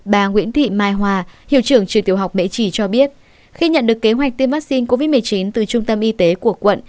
bà nguyễn thị mai hòa hiệu trưởng trường tiểu học mệ trì cho biết khi nhận được kế hoạch tiêm vaccine covid một mươi chín từ trung tâm y tế của quận